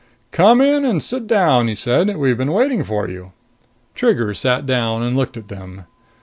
"Come in and sit down," he said. "We've been waiting for you." Trigger sat down and looked at them.